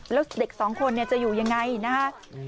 แล้วเด็กสองคนจะอยู่ยังไงนะคะ